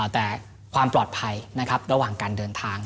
แต่ความปลอดภัยนะครับระหว่างการเดินทาง